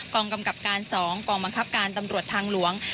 กองกำกับการ๒กองบังคับการตำรวจทางหลวง